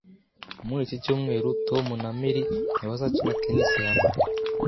Muri iki cyumweru, Tom na Mary ntibazakina tennis hamwe